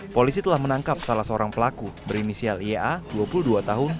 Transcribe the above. polisi telah menangkap salah seorang pelaku berinisial iaa dua puluh dua tahun